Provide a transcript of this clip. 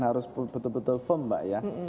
harus betul betul firm mbak ya